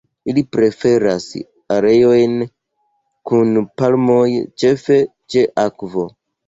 Ili preferas areojn kun palmoj, ĉefe ĉe akvo.